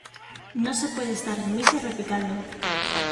No se puede estar en misa y repicando